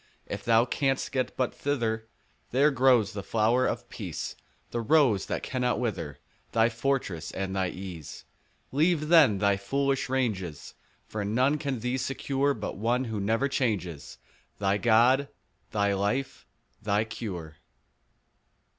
If thou canst get but thither, There grows the flower of Peace, The Rose that cannot wither, 15 Thy fortress, and thy ease. Leave then thy foolish ranges; For none can thee secure But One who never changes— Thy God, thy life, thy cure.